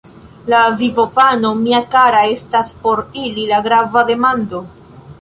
La vivopano, mia kara, estas por ili la grava demando.